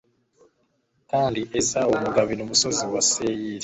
kandi ezawu mugabira umusozi wa seyiri